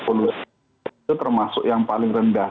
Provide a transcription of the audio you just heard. itu termasuk yang paling rendah